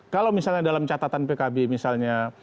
kalau misalnya dalam catatan pkb misalnya